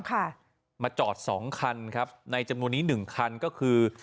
ค่ะมาจอดสองคันครับในจำนวนนี้หนึ่งคันก็คือ